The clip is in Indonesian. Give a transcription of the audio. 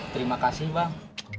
terima kasih bang